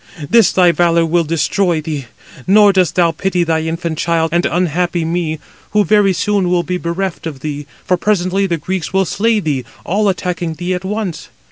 this thy valour will destroy thee; nor dost thou pity thy infant child and unhappy me, who very soon will be bereft of thee, for presently the Greeks will slay thee, all attacking thee at once.